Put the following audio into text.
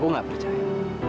aku gak percaya